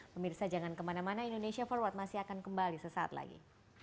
pemirsa jangan kemana mana indonesia forward masih akan kembali sesaat lagi